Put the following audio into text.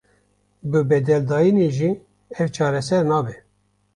Bi bedeldayînê jî ev çareser nabe.